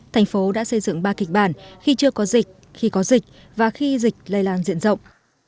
thành phố đã xây dựng ba kịch bản khi chưa có dịch khi có dịch và khi dịch lây lan diện rộng